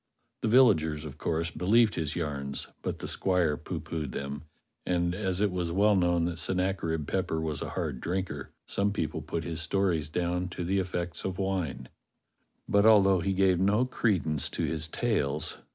The villagers, of course, believed his yarns, but the squire poohpoohed them, and, as it was well known that Sennacherib Pepper was a hard drinker, some people put his stories down to the effects of wine. But although he gave no credence to his tales.